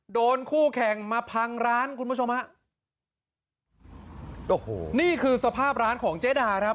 คู่แข่งมาพังร้านคุณผู้ชมฮะโอ้โหนี่คือสภาพร้านของเจ๊ดาครับ